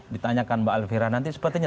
ditanyakan mbak alfira nanti sepertinya